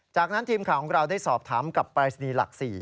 จากนั้นทีมข่าวของเราได้สอบถามกับปรายศนีย์หลัก๔